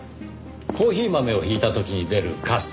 コーヒー豆を挽いた時に出るカス。